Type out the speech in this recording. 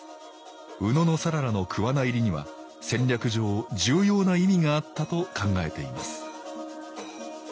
野讃良の桑名入りには戦略上重要な意味があったと考えています